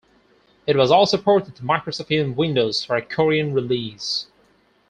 It was also ported to Microsoft Windows for a Korean release.